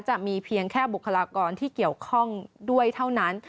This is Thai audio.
จะมีเพียงแค่บุคลากรที่เกี่ยวข้องด้วยเท่านั้น